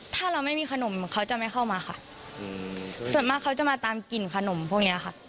ถ้าเราไม่มีขนมเขาจะไม่เข้ามาค่ะส่วนมากเขาจะมาตามกลิ่นขนมพวกเนี้ยค่ะ